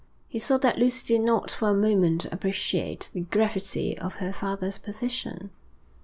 He saw that Lucy did not for a moment appreciate the gravity of her father's position.